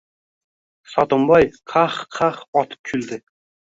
Sotimboy qah-qah otib kuldi.